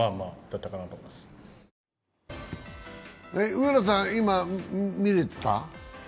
上原さん、今、見れてた？